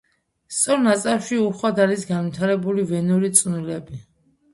სწორ ნაწლავში უხვად არის განვითარებული ვენური წნულები.